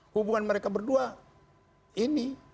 hubungan mereka berdua ini